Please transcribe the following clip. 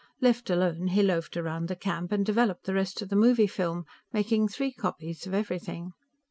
Left alone, he loafed around the camp, and developed the rest of the movie film, making three copies of everything.